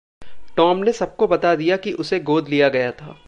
Tom नें सबको बता दिया कि उसे गोद लिया गया था।